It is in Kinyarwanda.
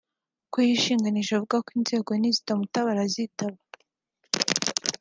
Ko yishinganisha akavuga ko inzego nizitamutabara azitaba